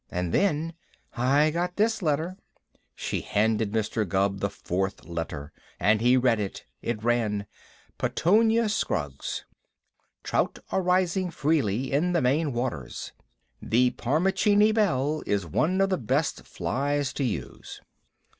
And then I got this letter." She handed Mr. Gubb the fourth letter, and he read it. It ran: PETUNIA SCROGGS: Trout are rising freely in the Maine waters. The Parmacheene Belle is one of the best flies to use.